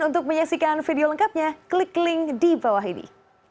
untuk menyaksikan video lengkapnya klik link di bawah ini